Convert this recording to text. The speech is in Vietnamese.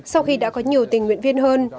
sau khi đã có nhiều tình nguyện viên hơn